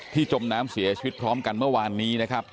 จมน้ำเสียชีวิตพร้อมกันเมื่อวานนี้นะครับ